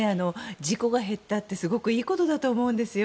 事故が減ったってすごくいいことだと思うんですよ。